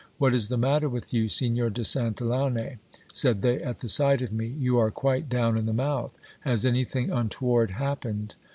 What is the matter with you, Signor de Santillane ? said they at the sight of me. You are quite down in the mouth ! Has any thing untoward happened